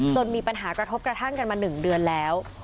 มีปัญหากระทบกระทั่งกันมา๑เดือนแล้ว